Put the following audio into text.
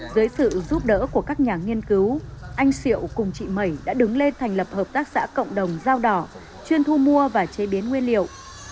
dưới sự giúp đỡ của các nhà nghiên cứu anh siệu cùng chị mẩy đã đứng lên thành lập hợp tác xã cộng đồng dao đỏ chuyên thu mua và chế biến nguyên liệu